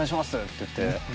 って言って。